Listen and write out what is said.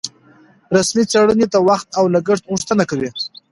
رسمي څېړنې د وخت او لګښت غوښتنه کوي.